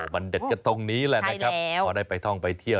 มันเด็ดก็ตรงนี้แหละนะครับพอได้ไปท่องไปเที่ยว